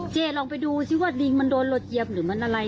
ลองไปดูซิว่าลิงมันโดนรถเจี๊ยบหรือมันอะไร